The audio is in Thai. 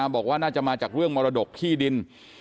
บอกว่าน่าจะมาจากเรื่องมรดกที่ดิน